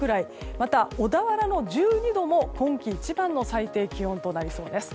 また、小田原の１２度も今季一番の最低気温となりそうです。